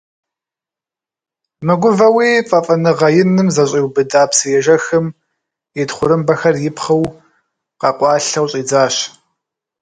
Мыгувэуи фӀэфӀыныгъэ иным зэщӀиубыда псыежэхым, и тхъурымбэхэр ипхъыу, къэкъуалъэу щӀидзащ.